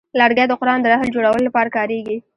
لرګی د قران د رحل جوړولو لپاره کاریږي.